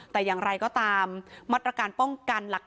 แต่อย่างไรก็ตามมาตรการป้องกันหลัก